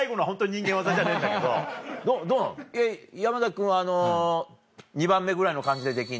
山君はあの２番目ぐらいの感じでできんの？